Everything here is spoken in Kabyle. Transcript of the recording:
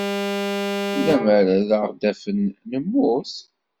Lemmer ad aɣ-d-afen, nemmut.